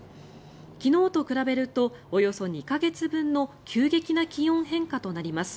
昨日と比べるとおよそ２か月分の急激な気温変化となります。